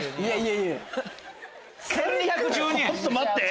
ちょっと待って！